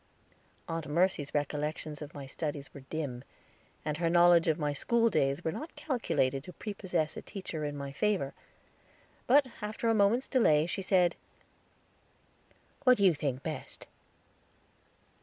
Aunt Mercy's recollections of my studies were dim, and her knowledge of my school days was not calculated to prepossess a teacher in my favor; but after a moment's delay, she said: "What you think best."